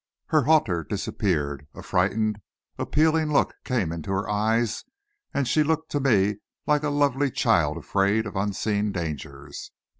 Her hauteur disappeared. A frightened, appealing look came into her eyes, and she looked to me like a lovely child afraid of unseen dangers.